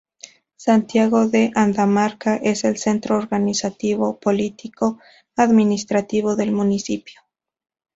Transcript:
Santiago de Andamarca es el centro organizativo, político, administrativo del municipio.